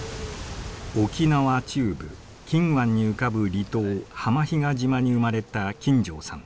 沖縄中部金武湾に浮かぶ離島浜比嘉島に生まれた金城さん。